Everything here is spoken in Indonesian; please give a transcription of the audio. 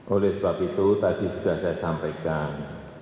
oleh sebab itu tadi sudah saya sampaikan